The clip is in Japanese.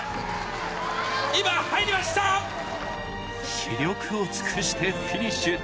死力を尽くしてフィニッシュ。